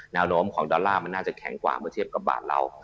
แนวโน้มของดอลลาร์มันน่าจะแข็งกว่าเมื่อเทียบกับบาทเรา